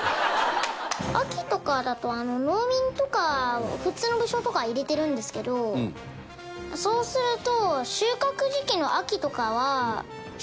秋とかだと農民とかを普通の武将とかは入れてるんですけどそうすると。